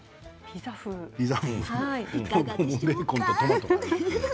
ベーコンとトマトがある。